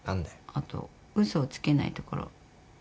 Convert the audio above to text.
あと嘘をつけないところ。